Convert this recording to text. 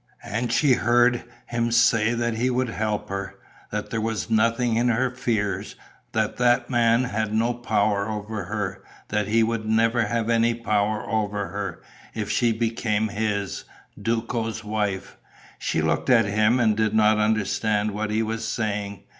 And she heard him say that he would help her; that there was nothing in her fears; that that man had no power over her; that he would never have any power over her, if she became his, Duco's, wife. She looked at him and did not understand what he was saying.